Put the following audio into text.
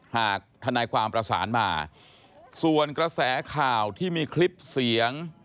ทนายความประสานมาส่วนกระแสข่าวที่มีคลิปเสียง